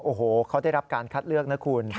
โอ้โหเขาได้รับการคัดเลือกนะคุณ